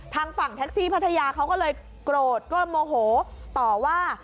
ทางฝั่งแท็กซี่พัทยาเขาก็เลยโกรธก็โมโหต่อว่า